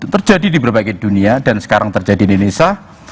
terjadi di berbagai dunia dan sekarang terjadi di indonesia